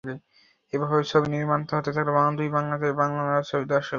এভাবে ছবি নির্মাণ হতে থাকলে দুই বাংলাতেই বাংলা ছবির দর্শক বাড়বে।